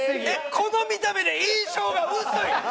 この見た目で印象が薄い！？